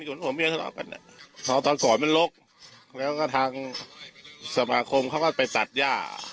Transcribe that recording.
ส่วนผัวเมียทะเลาะกันพอตอนก่อนมันลกแล้วก็ทางสมาคมเขาก็ไปตัดย่า